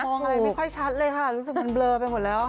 มองอะไรไม่ค่อยชัดเลยค่ะรู้สึกมันเบลอไปหมดแล้วค่ะ